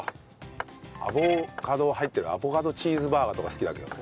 アボカドが入ってるアボカドチーズバーガーとか好きだけどね。